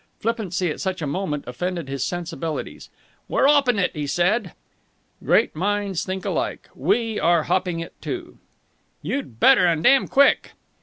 Flippancy at such a moment offended his sensibilities. "We're 'opping it," he said. "Great minds think alike! We are hopping it, too." "You'd better! And damn quick!"